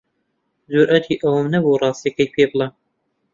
جورئەتی ئەوەم نەبوو ڕاستییەکەی پێ بڵێم.